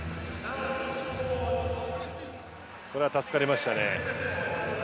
これは助かりましたね。